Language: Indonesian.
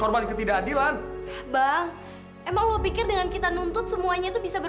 menabrak bapak kamu mawar